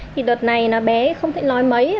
thì đợt này bé không thể nói mấy